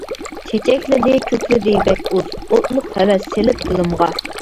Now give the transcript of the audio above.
چېچەكلىدى، كۆكلىدى بەك ئۇز، ئوتلۇق ھەۋەس سېلىپ دىلىمغا.